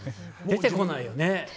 出てこないよね。